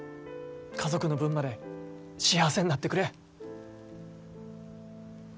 家族の分まで幸せになってくれ。